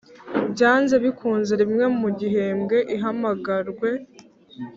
byanze bikunze rimwe mu gihembwe ihamagarwe